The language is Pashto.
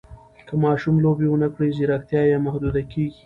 که ماشوم لوبې ونه کړي، ځیرکتیا یې محدوده کېږي.